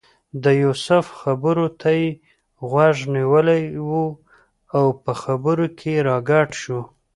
د یوسف خبرو ته یې غوږ نیولی و او په خبرو کې راګډ شو.